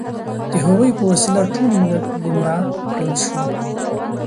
د هغوی په وسیله ټول ملت ګمراه کړل شو.